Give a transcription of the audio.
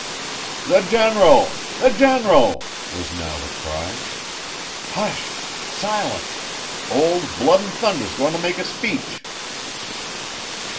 'The general! the general!' was now the cry. 'Hush! silence! Old Blood and Thunder's going to make a speech.